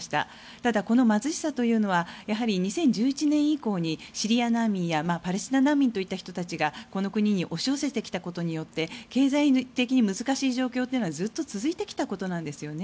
ただ、この貧しさというのは２０１１年以降にシリア難民やパレスチナ難民がこの国に押し寄せてきたことによって経済的に難しい状況というのはずっと続いてきたことなんですね。